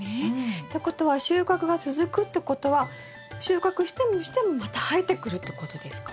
ってことは収穫が続くってことは収穫してもしてもまた生えてくるってことですか？